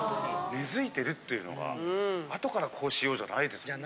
根付いてるっていうのが後からこうしようじゃないですもんね。